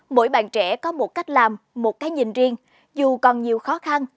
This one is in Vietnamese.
mỗi bạn trẻ có một cách làm một cái nhìn riêng dù còn nhiều khó khăn